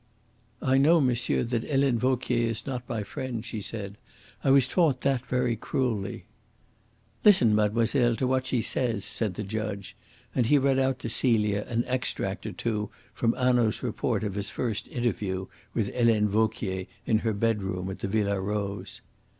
"I know, monsieur, that Helene Vauquier is not my friend," she said. "I was taught that very cruelly." "Listen, mademoiselle, to what she says," said the judge, and he read out to Celia an extract or two from Hanaud's report of his first interview with Helene Vauquier in her bedroom at the Villa Rose.